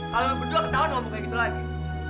kalo kalian berdua ketawa jangan omong kayak gitu lagi